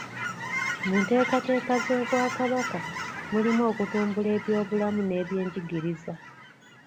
Mu nteekateeka z’Obwakabaka mulimu okutumbula ebyobulamu n’ebyenjigiriza.